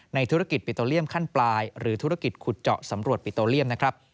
ธุรกิจปิโตเลียมขั้นปลายหรือธุรกิจขุดเจาะสำรวจปิโตเลียมนะครับ